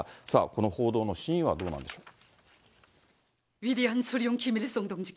この報道の真意はどうなんでしょう。